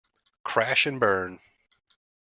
Crash and burn.